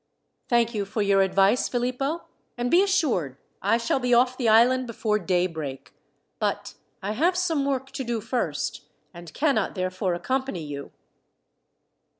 "Thank you for your advice, Philippo, and be assured I shall be off the island before daybreak, but I have some work to do first, and cannot therefore accompany you."